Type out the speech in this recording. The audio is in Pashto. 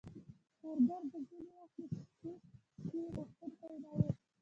کارګر به ځینې وخت د هېڅ شي غوښتونکی نه وو